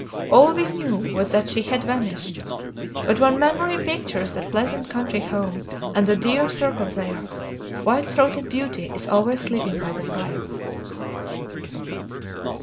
All we knew was that she had vanished; but when memory pictures that pleasant country home and the dear circle there, white throated Beauty is always sleeping by the fire."